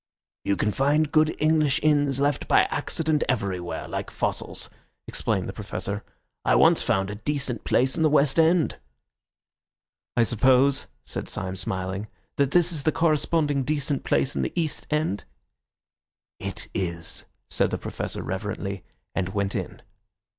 "You can find good English inns left by accident everywhere, like fossils," explained the Professor. "I once found a decent place in the West End." "I suppose," said Syme, smiling, "that this is the corresponding decent place in the East End?" "It is," said the Professor reverently, and went in.